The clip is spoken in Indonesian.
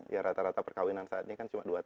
ya rata rata perkawinan saatnya kan cuma dua tahun